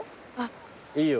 いいよ。